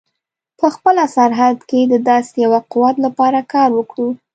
په خپله سرحد کې د داسې یوه قوت لپاره کار وکړو.